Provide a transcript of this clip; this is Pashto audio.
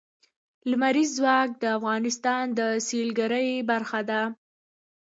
لمریز ځواک د افغانستان د سیلګرۍ برخه ده.